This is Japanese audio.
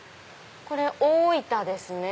これ大分ですね。